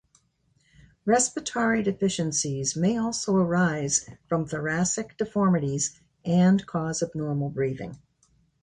Respiratory deficiencies may also arise from thoracic deformities and cause abnormal breathing.